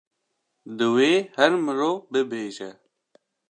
divê her mirov bibêje